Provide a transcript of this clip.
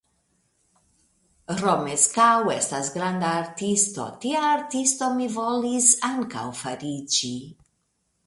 Romeskaŭ estas granda artisto, tia artisto mi volis ankaŭ fariĝi.